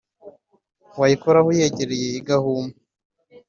Wayikoraho uyegereye igahuma